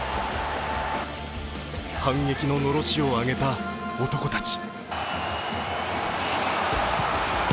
反撃ののろしを上げた男たち。